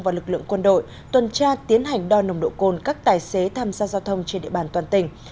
và lực lượng quân đội tuần tra tiến hành đo nồng độ cồn các tài xế tham gia giao thông trên địa bàn toàn tỉnh